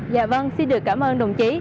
dạ vâng xin được cảm ơn đồng chí